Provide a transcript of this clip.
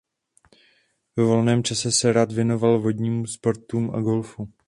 Ve volném čase se rád věnoval vodním sportům a golfu.